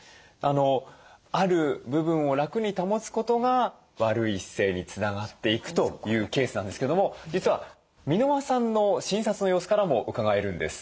ある部分を楽に保つことが悪い姿勢につながっていくというケースなんですけども実は箕輪さんの診察の様子からもうかがえるんです。